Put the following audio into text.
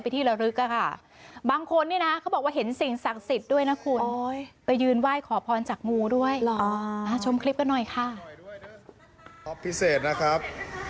ตัวนี้แหละครับ